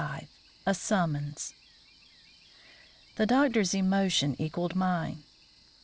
XXV A SUMMONS The doctor's emotion equalled mine.